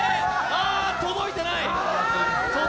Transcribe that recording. あ、届いてない。